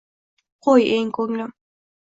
Qo’y, ey ko’nglim